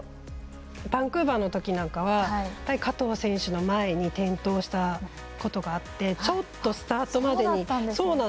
バンクーバーのときなんかはやっぱり加藤選手の前に転倒したことがあってちょっと、スタートまでに。